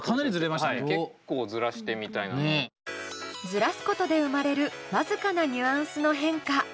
ズラすことで生まれる僅かなニュアンスの変化。